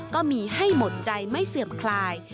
ก็มีให้หมดใจไม่เสื่อมคลาย